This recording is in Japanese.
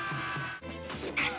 しかし。